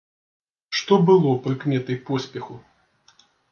Што было прыкметай поспеху?